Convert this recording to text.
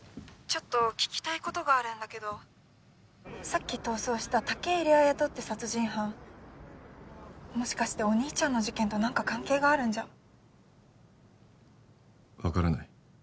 ☎ちょっと☎聞きたいことがあるんだけどさっき逃走した武入綾人って殺人犯もしかしてお兄ちゃんの事件と何か関係があるんじゃ分からない